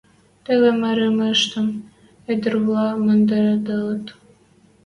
Телӹм мырымыштым ӹдӹрвлӓ мондыделыт.